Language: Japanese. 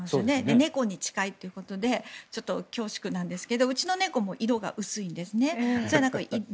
猫に近いということで恐縮なんですけど、うちの猫も色が薄いんですね。